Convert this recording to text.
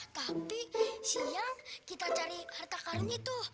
tapi siang kita cari harta karun itu